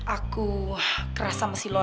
aku keras sama si laura